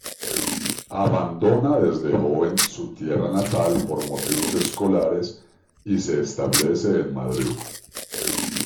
Abandona desde joven su tierra natal por motivos escolares y se establece en Madrid.